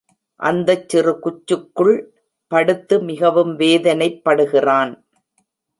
அந்தச் சிறு குச்சுக்குள் படுத்து மிகவும் வேதனைப்படுகிறான்.